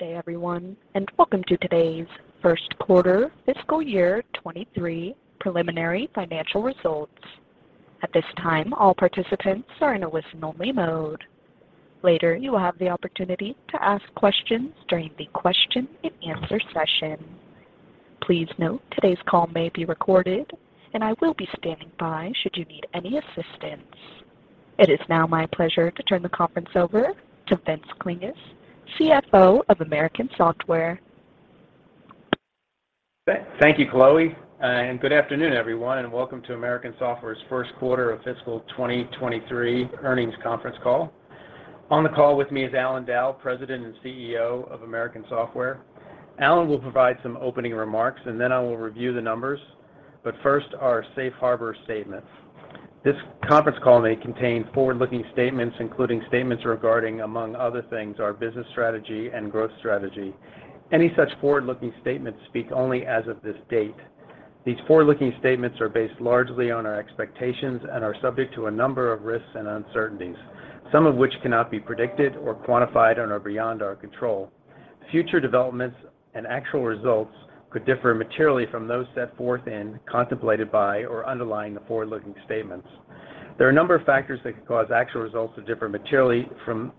Good day, everyone, and welcome to today's first quarter fiscal year 2023 preliminary financial results. At this time, all participants are in a listen-only mode. Later, you will have the opportunity to ask questions during the Q&A session. Please note, today's call may be recorded, and I will be standing by should you need any assistance. It is now my pleasure to turn the conference over to Vince Klinges, CFO of American Software. Thank you, Chloe. Good afternoon, everyone, and welcome to American Software's first quarter of fiscal 2023 earnings conference call. On the call with me is Allan Dow, President and CEO of American Software. Allan will provide some opening remarks, and then I will review the numbers. First, our safe harbor statement. This conference call may contain forward-looking statements, including statements regarding, among other things, our business strategy and growth strategy. Any such forward-looking statements speak only as of this date. These forward-looking statements are based largely on our expectations and are subject to a number of risks and uncertainties, some of which cannot be predicted or quantified and are beyond our control. Future developments and actual results could differ materially from those set forth in, contemplated by, or underlying the forward-looking statements. There are a number of factors that could cause actual results to differ materially from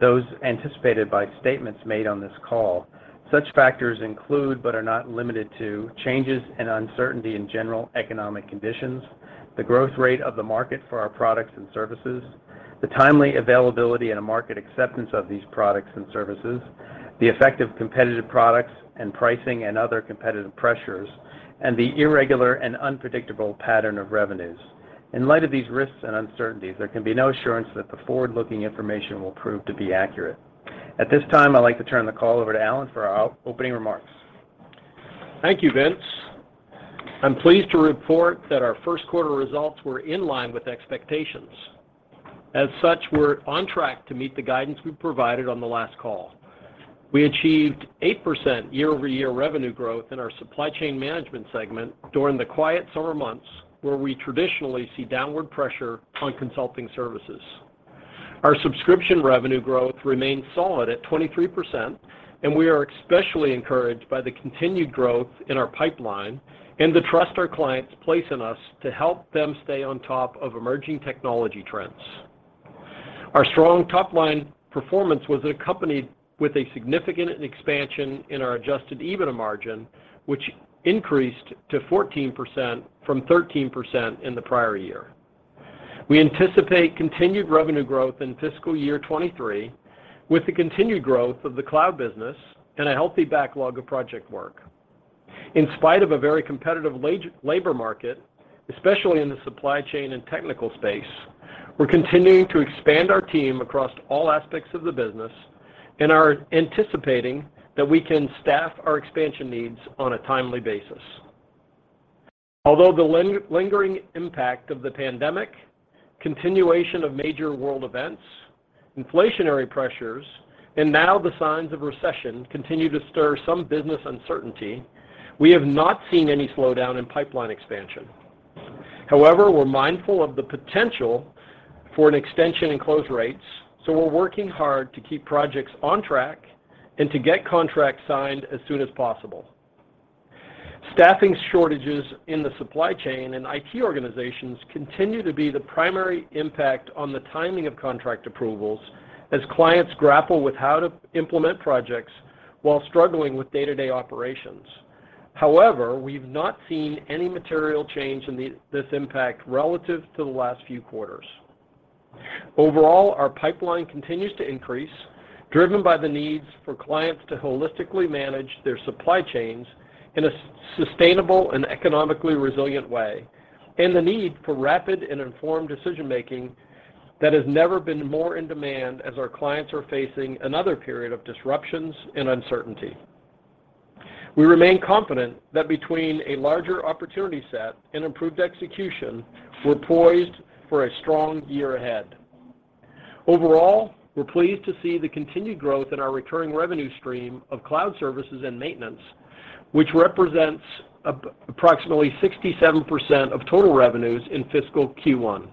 those anticipated by statements made on this call. Such factors include, but are not limited to, changes and uncertainty in general economic conditions, the growth rate of the market for our products and services, the timely availability and market acceptance of these products and services, the effect of competitive products and pricing and other competitive pressures, and the irregular and unpredictable pattern of revenues. In light of these risks and uncertainties, there can be no assurance that the forward-looking information will prove to be accurate. At this time, I'd like to turn the call over to Allan for our opening remarks. Thank you, Vince. I'm pleased to report that our first quarter results were in line with expectations. As such, we're on track to meet the guidance we provided on the last call. We achieved 8% year-over-year revenue growth in our supply chain management segment during the quiet summer months, where we traditionally see downward pressure on consulting services. Our subscription revenue growth remains solid at 23%, and we are especially encouraged by the continued growth in our pipeline and the trust our clients place in us to help them stay on top of emerging technology trends. Our strong top-line performance was accompanied with a significant expansion in our adjusted EBITDA margin, which increased to 14% from 13% in the prior year. We anticipate continued revenue growth in fiscal year 2023 with the continued growth of the cloud business and a healthy backlog of project work. In spite of a very competitive labor market, especially in the supply chain and technical space, we're continuing to expand our team across all aspects of the business and are anticipating that we can staff our expansion needs on a timely basis. Although the lingering impact of the pandemic, continuation of major world events, inflationary pressures, and now the signs of recession continue to stir some business uncertainty, we have not seen any slowdown in pipeline expansion. However, we're mindful of the potential for an extension in close rates, so we're working hard to keep projects on track and to get contracts signed as soon as possible. Staffing shortages in the supply chain and IT organizations continue to be the primary impact on the timing of contract approvals as clients grapple with how to implement projects while struggling with day-to-day operations. However, we've not seen any material change in this impact relative to the last few quarters. Overall, our pipeline continues to increase, driven by the needs for clients to holistically manage their supply chains in a sustainable and economically resilient way, and the need for rapid and informed decision-making that has never been more in demand as our clients are facing another period of disruptions and uncertainty. We remain confident that between a larger opportunity set and improved execution, we're poised for a strong year ahead. Overall, we're pleased to see the continued growth in our recurring revenue stream of cloud services and maintenance, which represents approximately 67% of total revenues in fiscal Q1.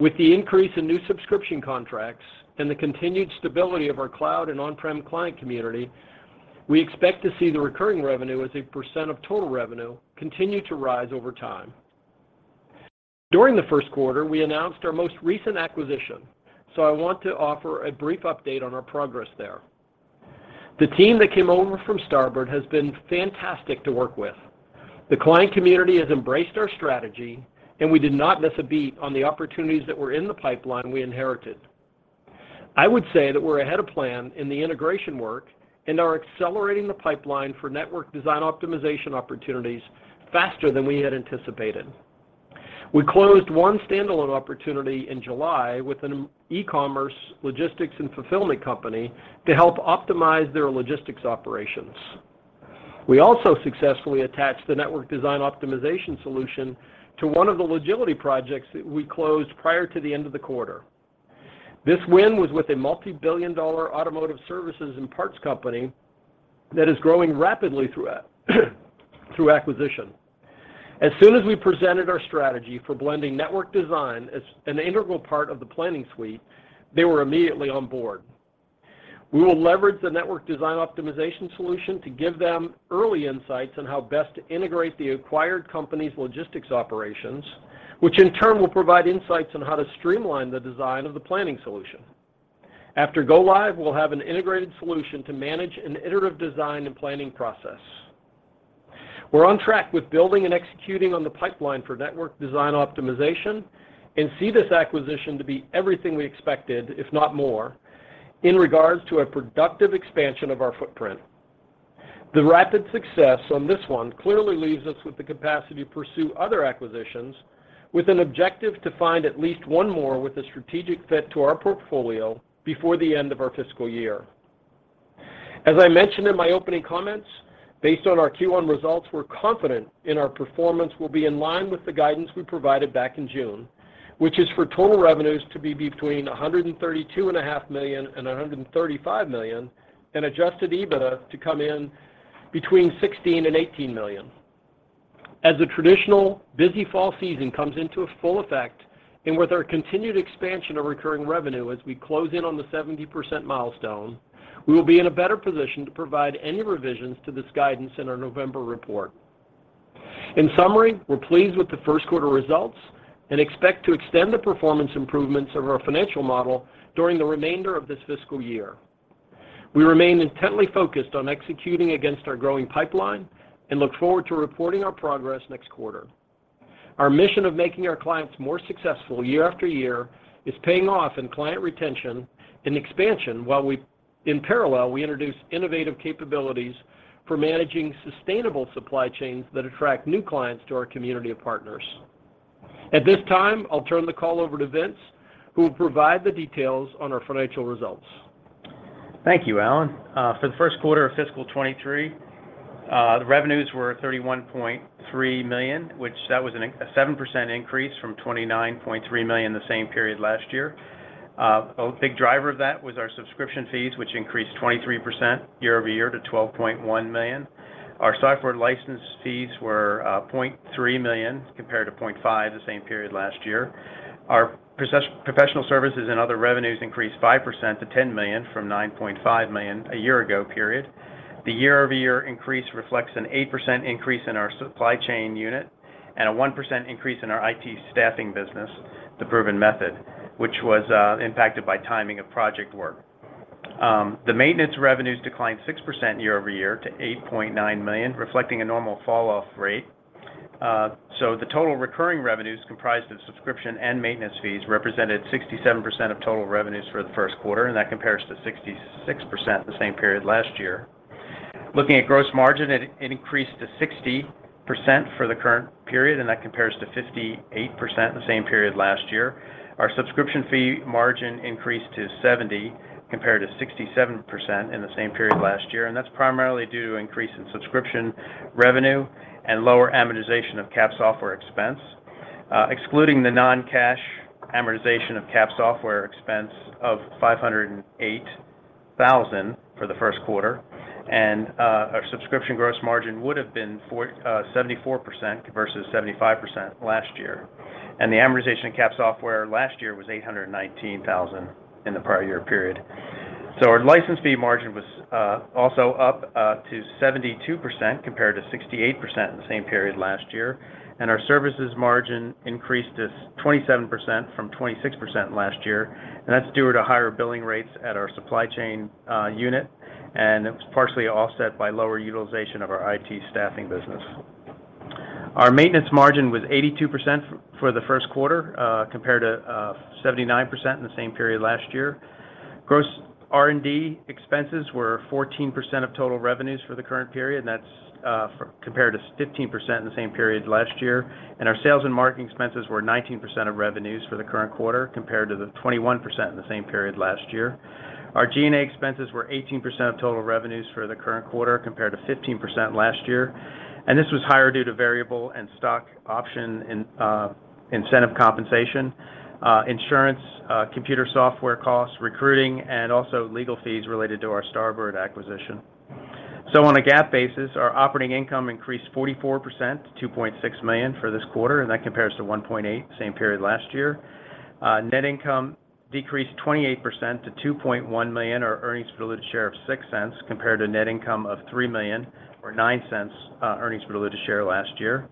With the increase in new subscription contracts and the continued stability of our cloud and on-prem client community, we expect to see the recurring revenue as a percent of total revenue continue to rise over time. During the first quarter, we announced our most recent acquisition, so I want to offer a brief update on our progress there. The team that came over from Starboard has been fantastic to work with. The client community has embraced our strategy, and we did not miss a beat on the opportunities that were in the pipeline we inherited. I would say that we're ahead of plan in the integration work and are accelerating the pipeline for network design optimization opportunities faster than we had anticipated. We closed one standalone opportunity in July with an ecommerce logistics and fulfillment company to help optimize their logistics operations. We also successfully attached the network design optimization solution to one of the Agility projects that we closed prior to the end of the quarter. This win was with a multi-billion-dollar automotive services and parts company that is growing rapidly through acquisition. As soon as we presented our strategy for blending network design as an integral part of the planning suite, they were immediately on board. We will leverage the network design optimization solution to give them early insights on how best to integrate the acquired company's logistics operations, which in turn will provide insights on how to streamline the design of the planning solution. After go live, we'll have an integrated solution to manage an iterative design and planning process. We're on track with building and executing on the pipeline for network design optimization and see this acquisition to be everything we expected, if not more, in regards to a productive expansion of our footprint. The rapid success on this one clearly leaves us with the capacity to pursue other acquisitions with an objective to find at least one more with a strategic fit to our portfolio before the end of our fiscal year. As I mentioned in my opening comments, based on our Q1 results, we're confident in our performance will be in line with the guidance we provided back in June, which is for total revenues to be between $132.5 million and $135 million and adjusted EBITDA to come in between $16 million and $18 million. As the traditional busy fall season comes into full effect and with our continued expansion of recurring revenue as we close in on the 70% milestone, we will be in a better position to provide any revisions to this guidance in our November report. In summary, we're pleased with the first quarter results and expect to extend the performance improvements of our financial model during the remainder of this fiscal year. We remain intently focused on executing against our growing pipeline and look forward to reporting our progress next quarter. Our mission of making our clients more successful year after year is paying off in client retention and expansion while we, in parallel, introduce innovative capabilities for managing sustainable supply chains that attract new clients to our community of partners. At this time, I'll turn the call over to Vince, who will provide the details on our financial results. Thank you, Allan. For the first quarter of fiscal 2023, the revenues were $31.3 million, which was a 7% increase from $29.3 million the same period last year. A big driver of that was our subscription fees, which increased 23% year-over-year to $12.1 million. Our software license fees were $0.3 million compared to $0.5 million the same period last year. Our professional services and other revenues increased 5% to $10 million from $9.5 million a year ago period. The year-over-year increase reflects an 8% increase in our supply chain unit and a 1% increase in our IT staffing business, The Proven Method, which was impacted by timing of project work. The maintenance revenues declined 6% year-over-year to $8.9 million, reflecting a normal fall off rate. The total recurring revenues comprised of subscription and maintenance fees represented 67% of total revenues for the first quarter, and that compares to 66% the same period last year. Looking at gross margin, it increased to 60% for the current period, and that compares to 58% the same period last year. Our subscription fee margin increased to 70% compared to 67% in the same period last year, and that's primarily due to increase in subscription revenue and lower amortization of cap software expense. Excluding the non-cash amortization of cap software expense of $508,000 for the first quarter, our subscription gross margin would have been 74% versus 75% last year. The amortization of capitalized software last year was $819,000 in the prior year period. Our license fee margin was also up to 72% compared to 68% in the same period last year. Our services margin increased to 27% from 26% last year. That's due to higher billing rates at our supply chain unit, and it was partially offset by lower utilization of our IT staffing business. Our maintenance margin was 82% for the first quarter compared to 79% in the same period last year. Gross R&D expenses were 14% of total revenues for the current period, and that's compared to 15% in the same period last year. Our sales and marketing expenses were 19% of revenues for the current quarter compared to the 21% in the same period last year. Our G&A expenses were 18% of total revenues for the current quarter compared to 15% last year. This was higher due to variable and stock option incentive compensation, insurance, computer software costs, recruiting, and also legal fees related to our Starboard acquisition. On a GAAP basis, our operating income increased 44% to $2.6 million for this quarter, and that compares to one point eight same period last year. Net income decreased 28% to $2.1 million or earnings per diluted share of $0.06 compared to net income of $3 million or $0.09 earnings per diluted share last year.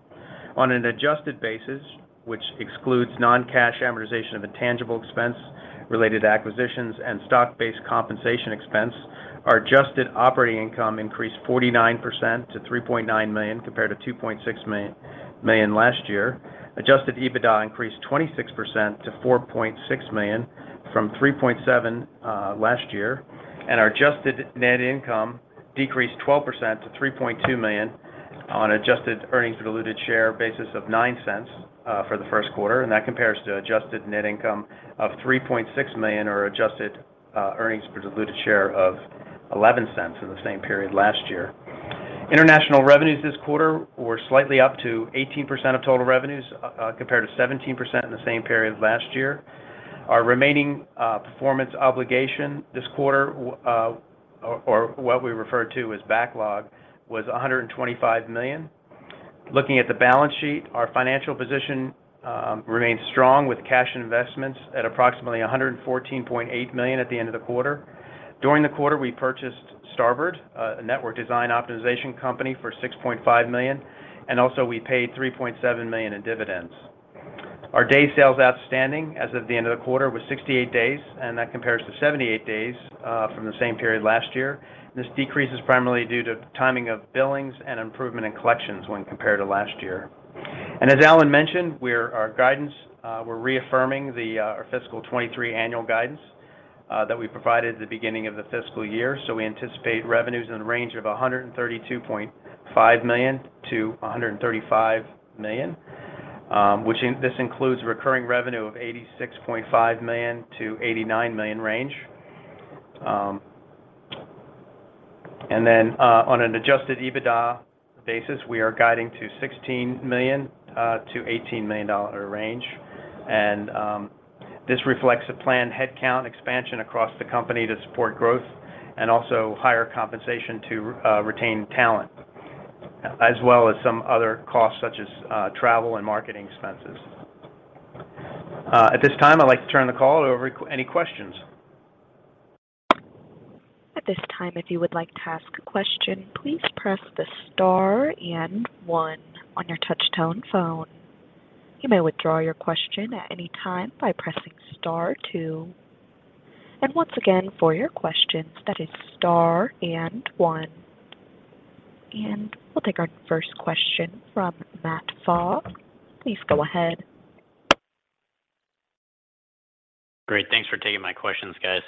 On an adjusted basis, which excludes non-cash amortization of intangible expense related to acquisitions and stock-based compensation expense, our adjusted operating income increased 49% to $3.9 million compared to $2.6 million last year. Adjusted EBITDA increased 26% to $4.6 million from $3.7 million last year. Our adjusted net income decreased 12% to $3.2 million on adjusted earnings per diluted share basis of $0.09 for the first quarter. That compares to adjusted net income of $3.6 million or adjusted earnings per diluted share of $0.11 in the same period last year. International revenues this quarter were slightly up to 18% of total revenues compared to 17% in the same period last year. Our remaining performance obligation this quarter, or what we refer to as backlog, was $125 million. Looking at the balance sheet, our financial position remains strong with cash and investments at approximately $114.8 million at the end of the quarter. During the quarter, we purchased Starboard, a network design optimization company, for $6.5 million, and also we paid $3.7 million in dividends. Our days sales outstanding as of the end of the quarter was 68 days, and that compares to 78 days from the same period last year. This decrease is primarily due to timing of billings and improvement in collections when compared to last year. As Allan mentioned, we're reaffirming our fiscal 2023 annual guidance that we provided at the beginning of the fiscal year. We anticipate revenues in the range of $132.5 million-$135 million, which includes recurring revenue of $86.5 million-$89 million range. Then, on an adjusted EBITDA basis, we are guiding to $16 million-$18 million range. This reflects a planned headcount expansion across the company to support growth and also higher compensation to retain talent, as well as some other costs such as travel and marketing expenses. At this time, I'd like to turn the call over to any questions. At this time, if you would like to ask a question, please press the star and one on your touchtone phone. You may withdraw your question at any time by pressing star two. Once again, for your questions, that is star and one. We'll take our first question from Matt Fogg. Please go ahead. Great. Thanks for taking my questions, guys.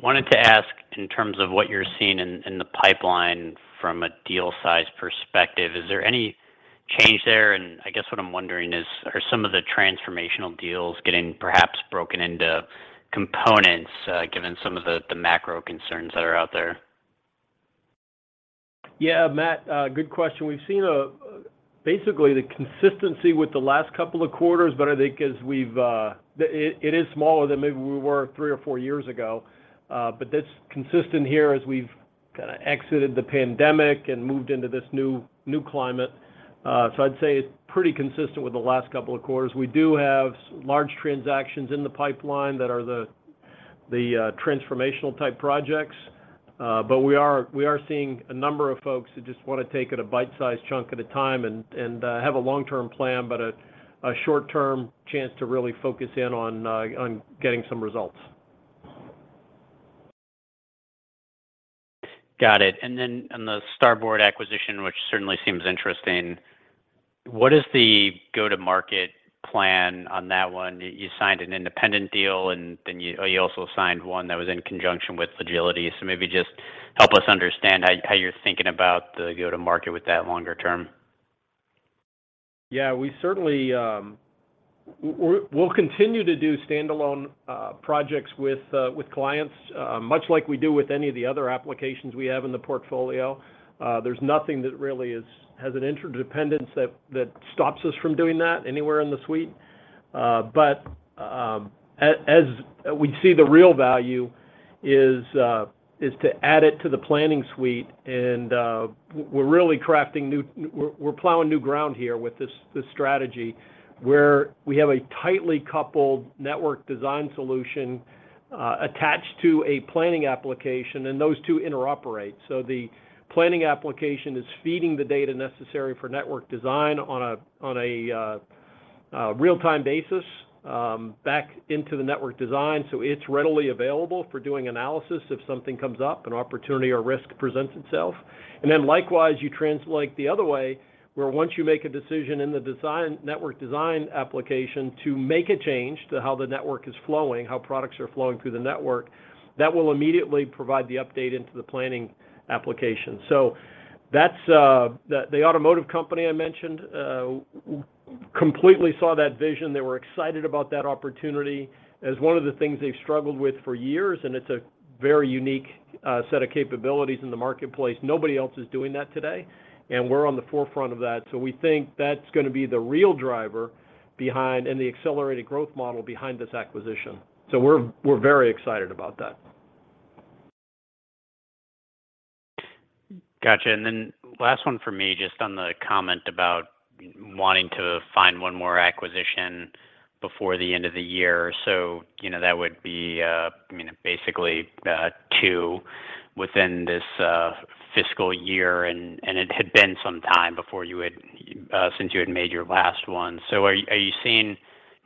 Wanted to ask in terms of what you're seeing in the pipeline from a deal size perspective, is there any change there? I guess what I'm wondering is, are some of the transformational deals getting perhaps broken into components, given some of the macro concerns that are out there? Yeah, Matt, good question. We've seen basically the consistency with the last couple of quarters, but I think it is smaller than maybe we were three or four years ago, but that's consistent here as we've kinda exited the pandemic and moved into this new climate. I'd say it's pretty consistent with the last couple of quarters. We do have large transactions in the pipeline that are the transformational type projects. We are seeing a number of folks who just wanna take it a bite-sized chunk at a time and have a long-term plan, but a short-term chance to really focus in on getting some results. Got it. Then on the Starboard acquisition, which certainly seems interesting, what is the go-to-market plan on that one? You signed an independent deal, and then you also signed one that was in conjunction with Agility. Maybe just help us understand how you're thinking about the go-to-market with that longer term. Yeah. We certainly we'll continue to do standalone projects with clients much like we do with any of the other applications we have in the portfolio. There's nothing that really has an interdependence that stops us from doing that anywhere in the suite. As we see the real value is to add it to the planning suite and we're really plowing new ground here with this strategy, where we have a tightly coupled network design solution attached to a planning application, and those two interoperate. The planning application is feeding the data necessary for network design on a real-time basis back into the network design, so it's readily available for doing analysis if something comes up, an opportunity or risk presents itself. Likewise, you translate the other way, where once you make a decision in the design, network design application to make a change to how the network is flowing, how products are flowing through the network, that will immediately provide the update into the planning application. So that's the automotive company I mentioned, which completely saw that vision. They were excited about that opportunity as one of the things they've struggled with for years, and it's a very unique set of capabilities in the marketplace. Nobody else is doing that today, and we're on the forefront of that. So we think that's gonna be the real driver behind, and the accelerated growth model behind this acquisition. So we're very excited about that. Gotcha. Then last one for me, just on the comment about wanting to find one more acquisition before the end of the year. You know, that would be, I mean, basically, two within this fiscal year, and it had been some time before you had, since you had made your last one. Are you seeing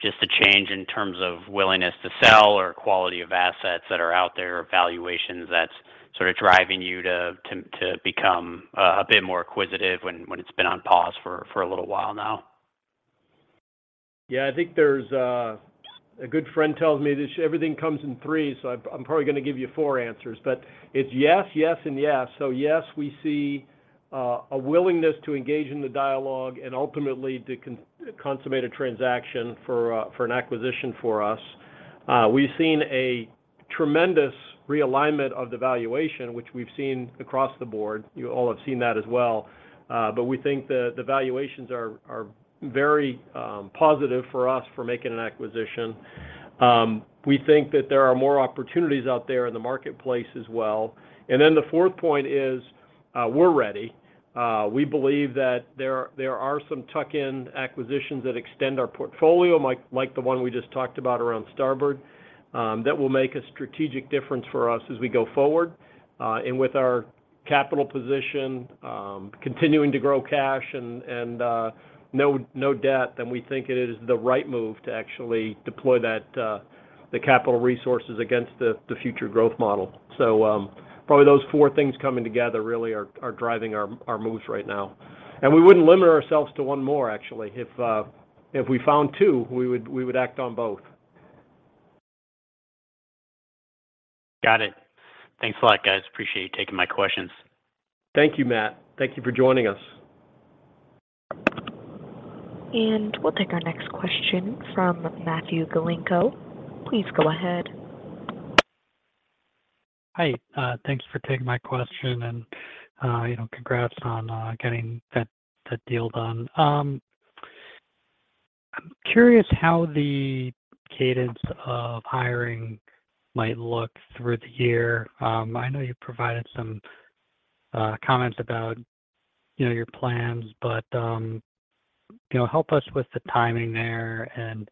just a change in terms of willingness to sell or quality of assets that are out there or valuations that's sort of driving you to become a bit more acquisitive when it's been on pause for a little while now? Yeah. I think there's a good friend tells me this, everything comes in three, so I'm probably gonna give you four answers. It's yes, and yes. Yes, we see a willingness to engage in the dialogue and ultimately to consummate a transaction for an acquisition for us. We've seen a tremendous realignment of the valuation, which we've seen across the board. You all have seen that as well. We think the valuations are very positive for us for making an acquisition. We think that there are more opportunities out there in the marketplace as well. The fourth point is, we're ready. We believe that there are some tuck-in acquisitions that extend our portfolio, like the one we just talked about around Starboard, that will make a strategic difference for us as we go forward. With our capital position continuing to grow cash and no debt, then we think it is the right move to actually deploy that the capital resources against the future growth model. Probably those four things coming together really are driving our moves right now. We wouldn't limit ourselves to one more, actually. If we found two, we would act on both. Got it. Thanks a lot, guys. Appreciate you taking my questions. Thank you, Matt. Thank you for joining us. We'll take our next question from Matthew Galinko. Please go ahead. Hi. Thanks for taking my question and, you know, congrats on getting that deal done. I'm curious how the cadence of hiring might look through the year. I know you provided some comments about, you know, your plans, but, you know, help us with the timing there and,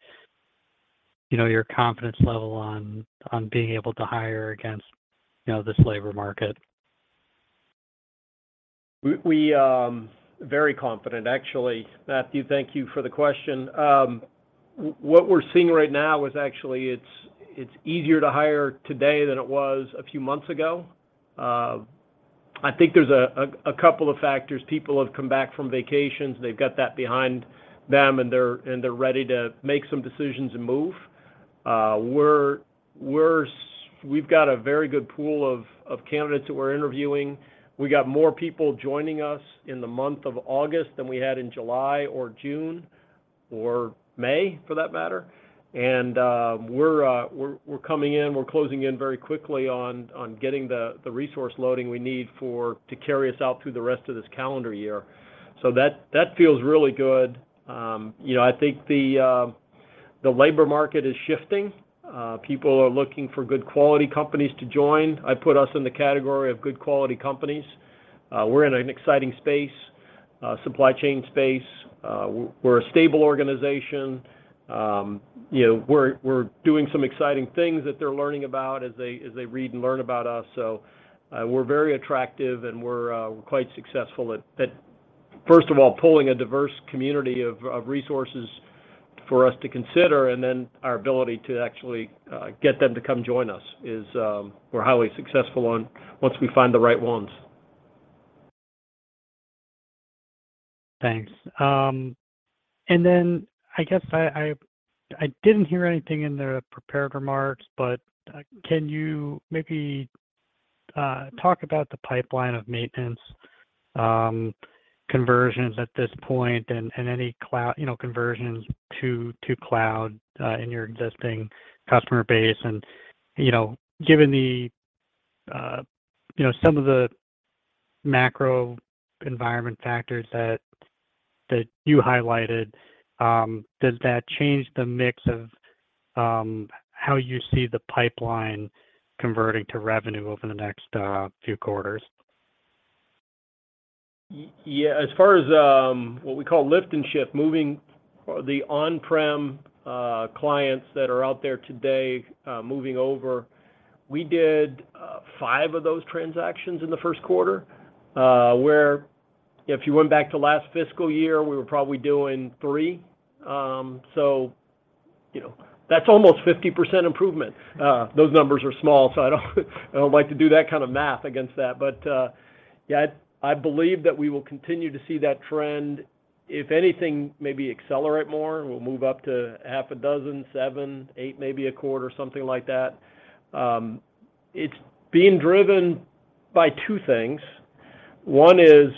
you know, your confidence level on being able to hire against, you know, this labor market. We're very confident actually, Matthew, thank you for the question. What we're seeing right now is actually it's easier to hire today than it was a few months ago. I think there's a couple of factors. People have come back from vacations. They've got that behind them, and they're ready to make some decisions and move. We've got a very good pool of candidates that we're interviewing. We got more people joining us in the month of August than we had in July or June or May for that matter. We're closing in very quickly on getting the resource loading we need to carry us out through the rest of this calendar year. That feels really good. You know, I think the labor market is shifting. People are looking for good quality companies to join. I put us in the category of good quality companies. We're in an exciting space, supply chain space. We're a stable organization. You know, we're doing some exciting things that they're learning about as they read and learn about us. We're very attractive and we're quite successful at first of all pulling a diverse community of resources for us to consider, and then our ability to actually get them to come join us is, we're highly successful on once we find the right ones. Thanks. I guess I didn't hear anything in the prepared remarks, but can you maybe talk about the pipeline of maintenance conversions at this point and any you know conversions to cloud in your existing customer base? You know, given the you know some of the macro environment factors that you highlighted, does that change the mix of how you see the pipeline converting to revenue over the next few quarters? Yeah, as far as what we call lift and shift, moving the on-prem clients that are out there today, moving over, we did five of those transactions in the first quarter, where if you went back to last fiscal year, we were probably doing three. You know, that's almost 50% improvement. Those numbers are small, so I don't like to do that kind of math against that. Yeah, I believe that we will continue to see that trend. If anything, maybe accelerate more. We'll move up to six, seven, eight maybe a quarter, something like that. It's being driven by two things. One is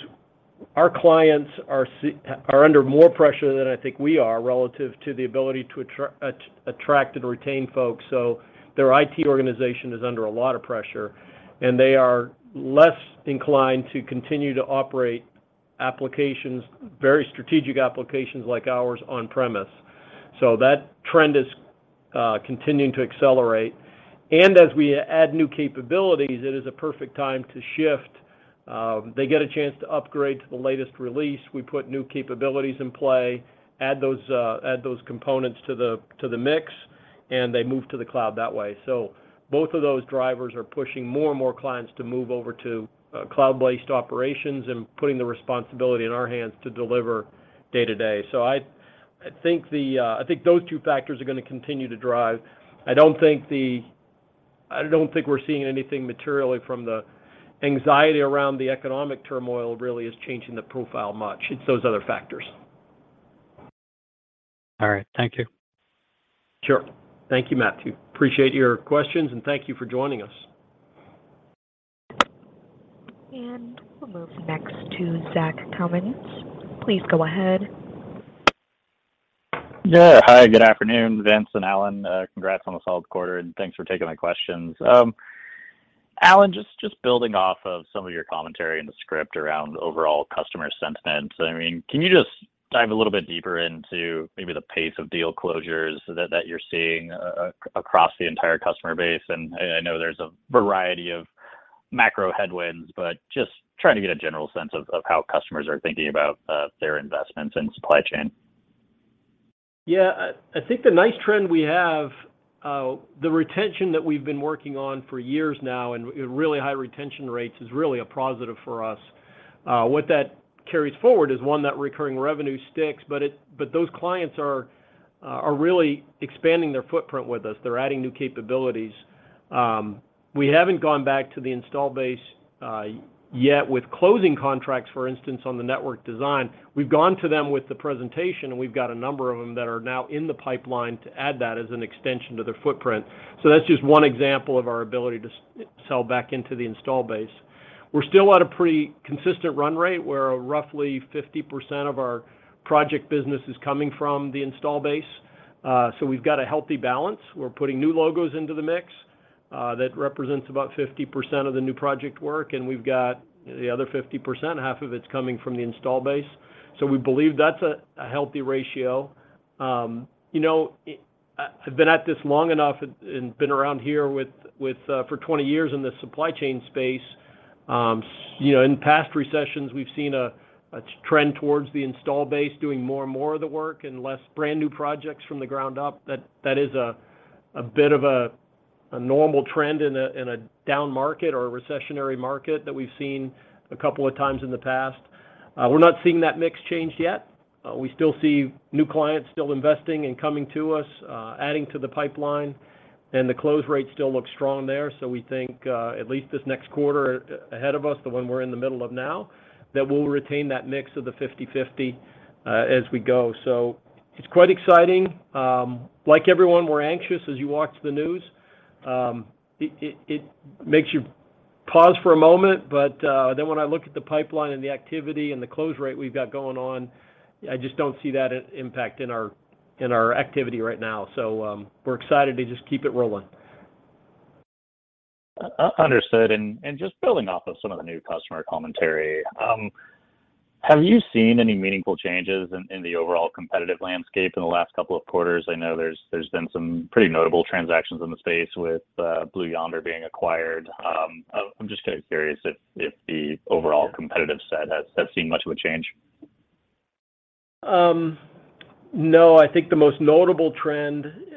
our clients are under more pressure than I think we are relative to the ability to attract and retain folks. Their IT organization is under a lot of pressure, and they are less inclined to continue to operate applications, very strategic applications like ours on premise. That trend is continuing to accelerate. As we add new capabilities, it is a perfect time to shift. They get a chance to upgrade to the latest release. We put new capabilities in play, add those components to the mix, and they move to the cloud that way. Both of those drivers are pushing more and more clients to move over to cloud-based operations and putting the responsibility in our hands to deliver day-to-day. I think those two factors are gonna continue to drive. I don't think we're seeing anything materially from the anxiety around the economic turmoil really is changing the profile much. It's those other factors. All right. Thank you. Sure. Thank you, Matthew. Appreciate your questions, and thank you for joining us. We'll move next to Zach Cummins. Please go ahead. Hi, good afternoon, Vince and Allan. Congrats on a solid quarter, and thanks for taking my questions. Alan, just building off of some of your commentary in the script around overall customer sentiment. I mean, can you just dive a little bit deeper into maybe the pace of deal closures that you're seeing across the entire customer base? I know there's a variety of macro headwinds, but just trying to get a general sense of how customers are thinking about their investments in supply chain. Yeah. I think the nice trend we have, the retention that we've been working on for years now and really high retention rates is really a positive for us. What that carries forward is, one, that recurring revenue sticks, but those clients are really expanding their footprint with us. They're adding new capabilities. We haven't gone back to the install base yet with closing contracts, for instance, on the network design. We've gone to them with the presentation, and we've got a number of them that are now in the pipeline to add that as an extension to their footprint. That's just one example of our ability to sell back into the install base. We're still at a pretty consistent run rate, where roughly 50% of our project business is coming from the install base. We've got a healthy balance. We're putting new logos into the mix, that represents about 50% of the new project work, and we've got the other 50%, half of it's coming from the install base. We believe that's a healthy ratio. You know, I've been at this long enough and been around here with for 20 years in the supply chain space. You know, in past recessions, we've seen a trend towards the install base doing more and more of the work and less brand-new projects from the ground up. That is a bit of a normal trend in a down market or a recessionary market that we've seen a couple of times in the past. We're not seeing that mix change yet. We still see new clients still investing and coming to us, adding to the pipeline, and the close rates still look strong there. We think at least this next quarter ahead of us, the one we're in the middle of now, that we'll retain that mix of the 50/50, as we go. It's quite exciting. Like everyone, we're anxious as you watch the news. It makes you pause for a moment, but then when I look at the pipeline and the activity and the close rate we've got going on, I just don't see that impact in our activity right now. We're excited to just keep it rolling. Understood. Just building off of some of the new customer commentary, have you seen any meaningful changes in the overall competitive landscape in the last couple of quarters? I know there's been some pretty notable transactions in the space with Blue Yonder being acquired. I'm just kinda curious if the overall competitive set has seen much of a change. No. I think the most notable trend, you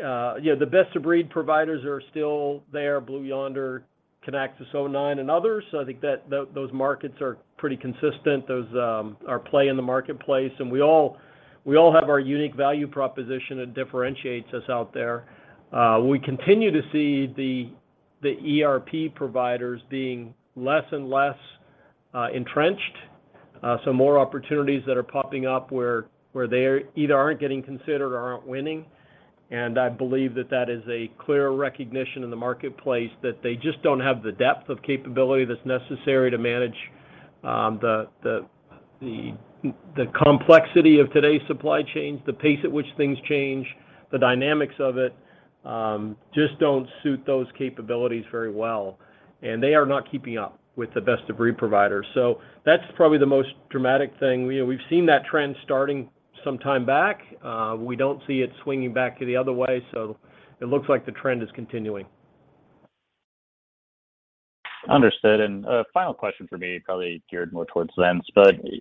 know, the best-of-breed providers are still there, Blue Yonder, Kinaxis, o9, and others. I think that those markets are pretty consistent. Those are players in the marketplace, and we all have our unique value proposition that differentiates us out there. We continue to see the ERP providers being less and less entrenched. More opportunities that are popping up where they either aren't getting considered or aren't winning. I believe that is a clear recognition in the marketplace that they just don't have the depth of capability that's necessary to manage the complexity of today's supply chains, the pace at which things change, the dynamics of it, just don't suit those capabilities very well. They are not keeping up with the best-of-breed providers. That's probably the most dramatic thing. You know, we've seen that trend starting some time back. We don't see it swinging back to the other way, so it looks like the trend is continuing. Understood. A final question from me, probably geared more towards Vince.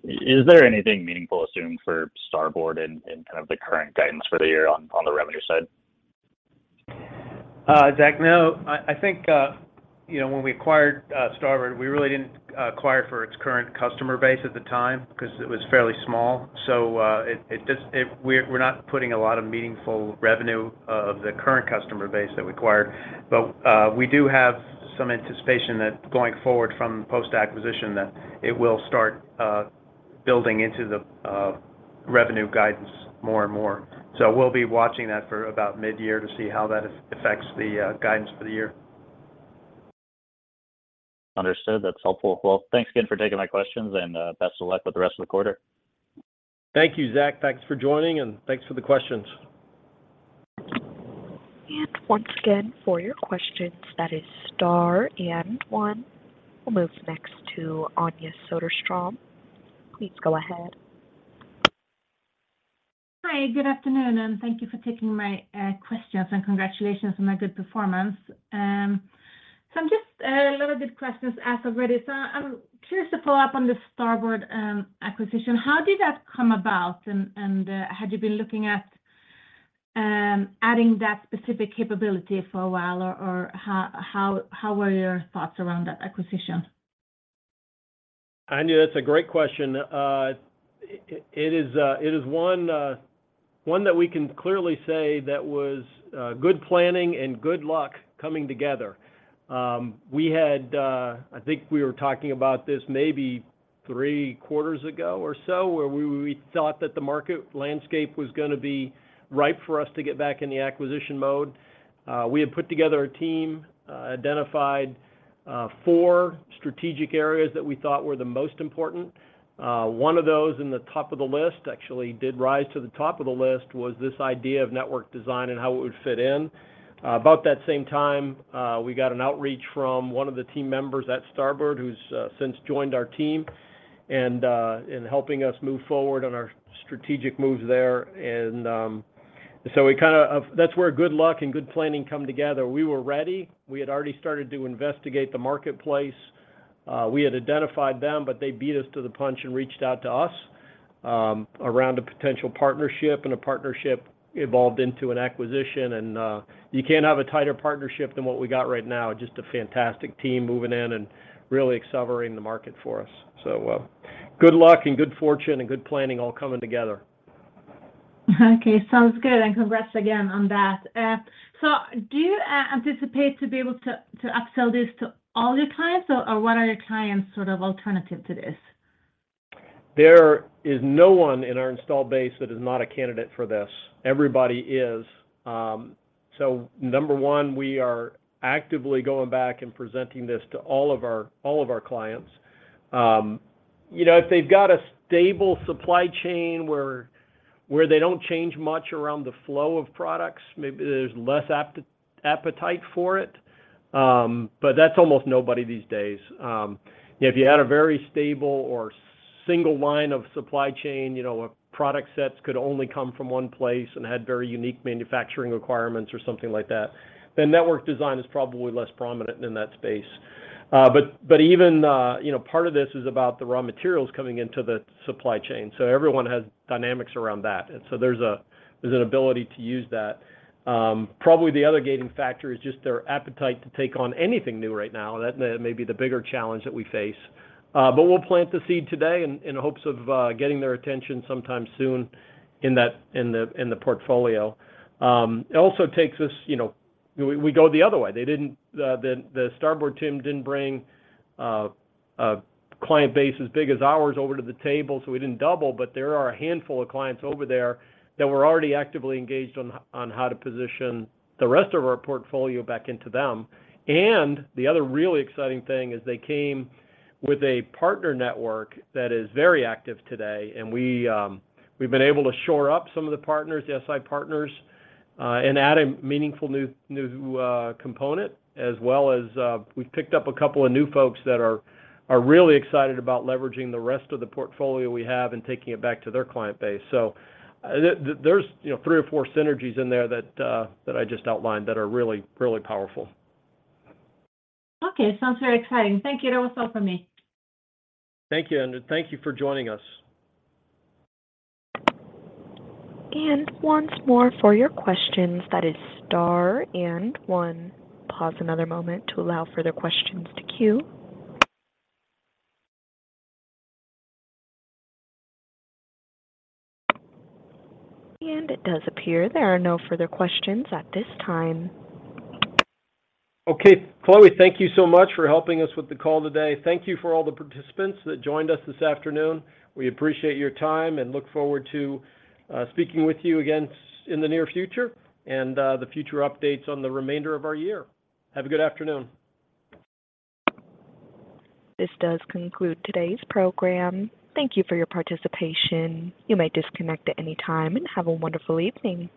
Is there anything meaningful assuming for Starboard in kind of the current guidance for the year on the revenue side? Zach, no. I think you know when we acquired Starboard, we really didn't acquire for its current customer base at the time because it was fairly small. We're not putting a lot of meaningful revenue of the current customer base that we acquired. We do have some anticipation that going forward from post-acquisition, that it will start building into the revenue guidance more and more. We'll be watching that for about mid-year to see how that affects the guidance for the year. Understood. That's helpful. Well, thanks again for taking my questions and best of luck with the rest of the quarter. Thank you, Zach. Thanks for joining, and thanks for the questions. Once again, for your questions, that is star and one. We'll move next to Anja Soderstrom. Please go ahead. Hi, good afternoon, and thank you for taking my questions, and congratulations on a good performance. I'm curious to follow up on the Starboard acquisition. How did that come about, and had you been looking at adding that specific capability for a while, or how were your thoughts around that acquisition? Anja, that's a great question. It is one that we can clearly say that was good planning and good luck coming together. We had, I think, we were talking about this maybe three quarters ago or so where we thought that the market landscape was gonna be ripe for us to get back in the acquisition mode. We had put together a team, identified four strategic areas that we thought were the most important. One of those in the top of the list, actually did rise to the top of the list, was this idea of network design and how it would fit in. About that same time, we got an outreach from one of the team members at Starboard, who's since joined our team and in helping us move forward on our strategic moves there. That's where good luck and good planning come together. We were ready. We had already started to investigate the marketplace. We had identified them, but they beat us to the punch and reached out to us around a potential partnership, and a partnership evolved into an acquisition. You can't have a tighter partnership than what we got right now. Just a fantastic team moving in and really accelerating the market for us. Good luck and good fortune and good planning all coming together. Okay. Sounds good, and congrats again on that. Do you anticipate to be able to upsell this to all your clients? Or what are your clients' sort of alternative to this? There is no one in our installed base that is not a candidate for this. Everybody is. Number one, we are actively going back and presenting this to all of our clients. You know, if they've got a stable supply chain where they don't change much around the flow of products, maybe there's less appetite for it. That's almost nobody these days. If you had a very stable or single line of supply chain, you know, where product sets could only come from one place and had very unique manufacturing requirements or something like that, then network design is probably less prominent in that space. Even, you know, part of this is about the raw materials coming into the supply chain, so everyone has dynamics around that. There's an ability to use that. Probably the other gating factor is just their appetite to take on anything new right now. That may be the bigger challenge that we face. We'll plant the seed today in hopes of getting their attention sometime soon in the portfolio. It also takes us, you know. We go the other way. The Starboard team didn't bring a client base as big as ours over to the table, so we didn't double, but there are a handful of clients over there that we're already actively engaged on how to position the rest of our portfolio back into them. The other really exciting thing is they came with a partner network that is very active today, and we've been able to shore up some of the partners, the S.I. Partners, and add a meaningful new component. As well as, we've picked up a couple of new folks that are really excited about leveraging the rest of the portfolio we have and taking it back to their client base. There's, you know, three or four synergies in there that I just outlined that are really powerful. Okay. Sounds very exciting. Thank you. That was all from me. Thank you, and thank you for joining us. Once more for your questions, that is star and one. Pause another moment to allow further questions to queue. It does appear there are no further questions at this time. Okay. Chloe, thank you so much for helping us with the call today. Thank you for all the participants that joined us this afternoon. We appreciate your time and look forward to speaking with you again in the near future and the future updates on the remainder of our year. Have a good afternoon. This does conclude today's program. Thank you for your participation. You may disconnect at any time, and have a wonderful evening.